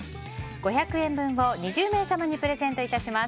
５００円分を２０名様にプレゼントいたします。